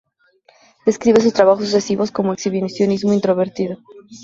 Describe sus trabajos sucesivos como "exhibicionismo introvertido".